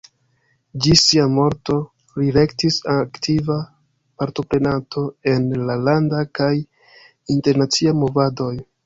Ĝis sia morto li restis aktiva partoprenanto en la landa kaj internacia movadoj.